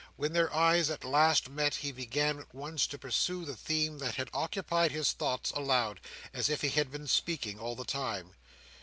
When their eyes at last met, he began at once to pursue the theme that had occupied his thoughts, aloud, as if he had been speaking all the time.